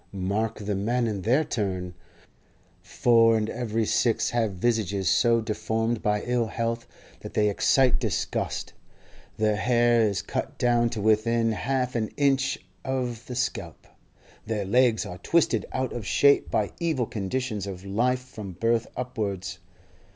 Mark the men in their turn: four in every six have visages so deformed by ill health that they excite disgust; their hair is cut down to within half an inch of the scalp; their legs are twisted out of shape by evil conditions of life from birth upwards.